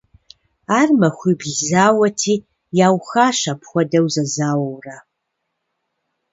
Ар махуибл зауэти, яухащ апхуэдэу зэзауэурэ.